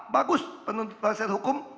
bagus penuntut prinsip hukum